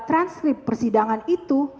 transkrip persidangan itu